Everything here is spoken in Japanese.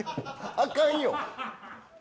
あかんよ。